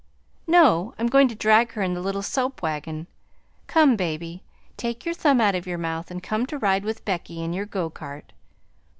"No, I'm going to drag her in the little soap wagon. Come, baby! Take your thumb out of your mouth and come to ride with Becky in your go cart."